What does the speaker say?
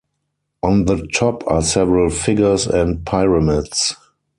On the top are several figures and pyramids.